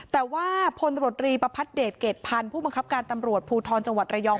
แต่ว่าพลตำรวจรีประพัทธเดชเกรดพันธ์ผู้บังคับการตำรวจภูทรจังหวัดระยอง